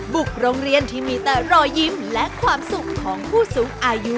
บุกโรงเรียนที่มีแต่รอยยิ้มและความสุขของผู้สูงอายุ